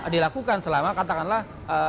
dilakukan selama katakanlah